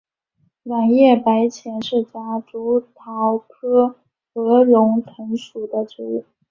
卵叶白前是夹竹桃科鹅绒藤属的植物。